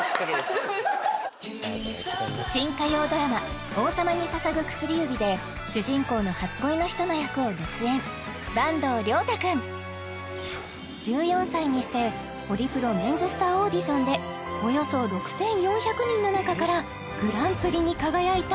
新火曜ドラマ「王様に捧ぐ薬指」で主人公の初恋の人の役を熱演坂東龍汰君１４歳にしてホリプロメンズスターオーディションでおよそ６４００人の中からグランプリに輝いた